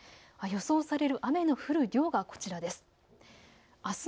予想される雨の降る量がこちらです。